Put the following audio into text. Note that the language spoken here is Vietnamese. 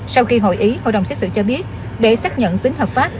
sau khi hội ý hội đồng xét xử cho biết để xác nhận tính hợp pháp